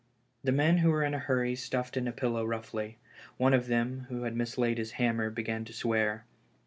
The men, who were in a hurry, stuffed in the pillow roughly. One of them, who had mislaid his hammer, began to swear.